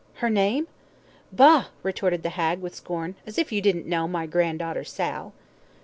Her name?" "Bah," retorted the hag, with scorn, "as if you didn't know my gran'daughter Sal."